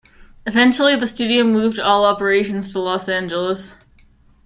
Eventually the studio moved all operations to Los Angeles.